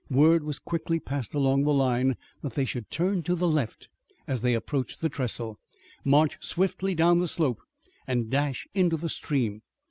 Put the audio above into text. Word was quickly passed along the line that they should turn to the left as they approached the trestle, march swiftly down the slope, and dash into the stream.